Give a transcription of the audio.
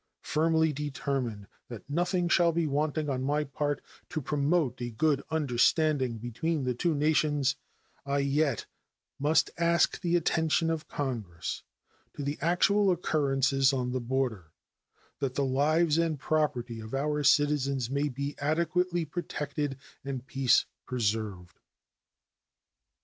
Firmly determined that nothing shall be wanting on my part to promote a good understanding between the two nations, I yet must ask the attention of Congress to the actual occurrences on the border, that the lives and property of our citizens may be adequately protected and peace preserved.